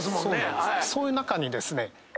そういう中にですね。